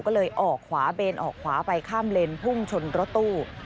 ก็เลยออกขวาเบนออกขวาไปข้ามเลนพุ่งชนรถตู้